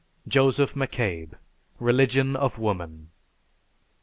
(_Joseph McCabe: "Religion of Woman."